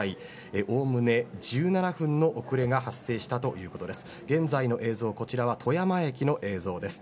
おおむね１７分の遅れが発生したということです。